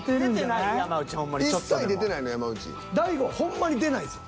大悟ほんまに出ないぞ。